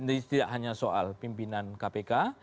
ini tidak hanya soal pimpinan kpk